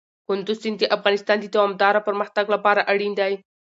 کندز سیند د افغانستان د دوامداره پرمختګ لپاره اړین دی.